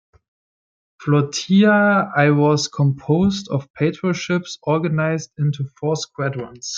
Flotilla I was composed of patrol ships, organized into four squadrons.